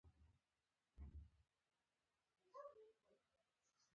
د ځمکې له تودېدو سره کنګلونه ویلې شول.